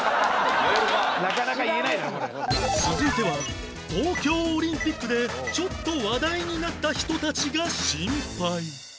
続いては東京オリンピックでちょっと話題になった人たちがシンパイ